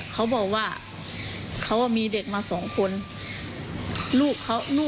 เขาบอกว่าเขามีเด็กมา๒คน